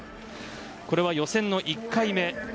これは予選の１回目。